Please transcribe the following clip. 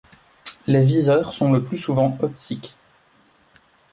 Les viseurs sont le plus souvent optiques.